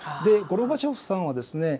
ゴルバチョフさんはですね